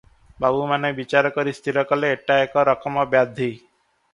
ବାବୁମାନେ ବିଚାର କରି ସ୍ଥିର କଲେ, ଏଟା ଏକ ରକମ ବ୍ୟାଧି ।